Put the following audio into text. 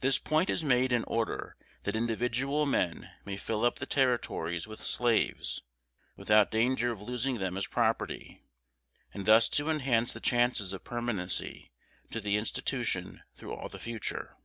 This point is made in order that individual men may fill up the Territories with slaves, without danger of losing them as property, and thus to enhance the chances of permanency to the institution through all the future.